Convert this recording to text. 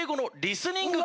リスニング？